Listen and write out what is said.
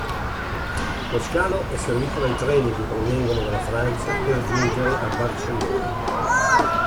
Lo scalo è servito dai treni che provengono dalla Francia per giungere a Barcellona.